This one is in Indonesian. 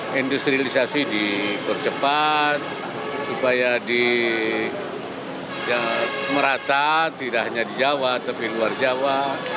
perindustrialisasi di kortepan supaya di merata tidak hanya di jawa tapi di luar jawa